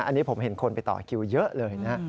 อันนี้ผมเห็นคนไปต่อคิวเยอะเลยนะ